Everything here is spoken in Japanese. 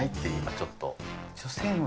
今ちょっと。